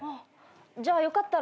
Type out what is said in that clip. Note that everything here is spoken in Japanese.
じゃあよかったら。